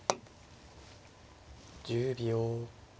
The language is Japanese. １０秒。